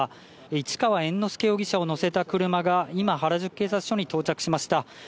市川猿之助容疑者を乗せた車が今、原宿警察署に到着しました。